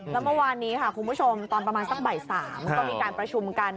แล้วเมื่อวานนี้ค่ะคุณผู้ชมตอนประมาณสักบ่าย๓ก็มีการประชุมกัน